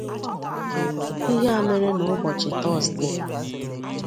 Ihe a mere n’ụbọchị Tọzdee.